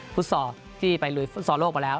ฟุตส่อท์ที่ไปฟุตส่อท์โลกไปแล้ว